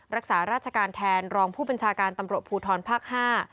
รักษาราชการแทนรองผู้บัญชาการตำรวจภูทรภาคห้า